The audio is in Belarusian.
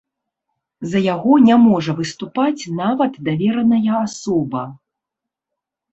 За яго не можа выступаць нават давераная асоба.